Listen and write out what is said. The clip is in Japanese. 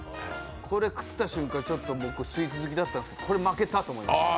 これ食った瞬間、僕スイーツ好きなんですがこれ負けたと思いました。